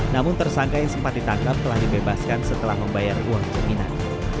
namun tersangka yang sempat ditangkap telah dibebaskan setelah membayar uang jaminan